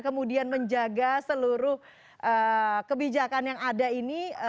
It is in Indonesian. kemudian menjaga seluruh kebijakan yang ada ini